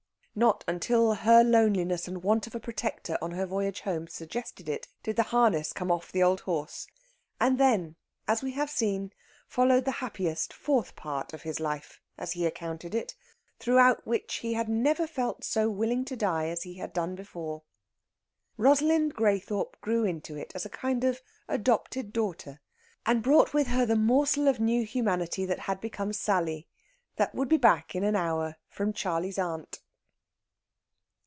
Not until her loneliness and want of a protector on her voyage home suggested it did the harness come off the old horse. And then, as we have seen, followed the happiest fourth part of his life, as he accounted it, throughout which he had never felt so willing to die as he had done before. Rosalind Graythorpe grew into it as a kind of adopted daughter, and brought with her the morsel of new humanity that had become Sally that would be back in an hour from "Charley's Aunt."